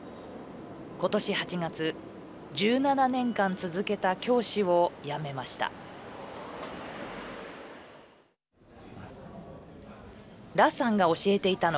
今年８月１７年間続けた教師を辞めました。